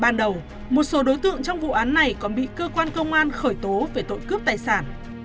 ban đầu một số đối tượng trong vụ án này còn bị cơ quan công an khởi tố về tội cướp tài sản